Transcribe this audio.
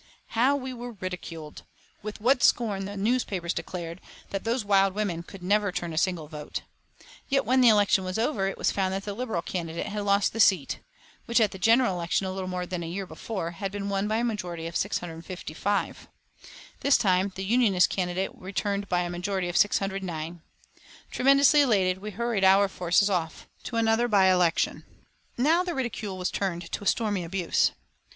How we were ridiculed! With what scorn the newspapers declared that "those wild women" could never turn a single vote. Yet when the election was over it was found that the Liberal candidate had lost the seat, which, at the general election a little more than a year before, had been won by a majority of 655. This time the Unionist candidate was returned by a majority of 609. Tremendously elated, we hurried our forces off to another by election. Now the ridicule was turned to stormy abuse.